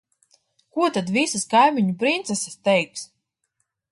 Ko tad visas kaimiņu princeses teiks?